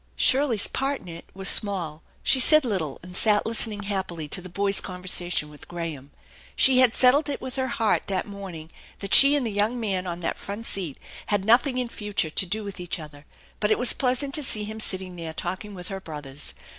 Shirley's part in it was small. She said little and sat listening happily to the boys' conversation with Graham. She had settled it with her heart that morning that she and the young man on that front seat had nothing in future to do with each other, but it was pleas ant to see him sitting there talking with her brothers.